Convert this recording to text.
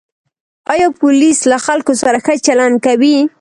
آیا پولیس له خلکو سره ښه چلند کوي؟